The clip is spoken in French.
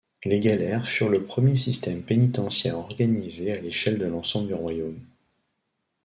Les galères furent le premier système pénitentiaire organisé à l'échelle de l'ensemble du royaume.